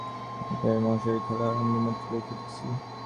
এখন আমরা সেই মহাশক্তির খেলার আরম্ভমাত্র দেখিতেছি।